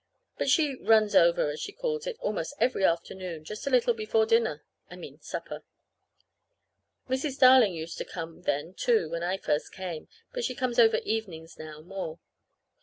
But she "runs over," as she calls it, almost every afternoon just a little before dinner I mean supper. Mrs. Darling used to come then, too, when I first came; but she comes over evenings now more.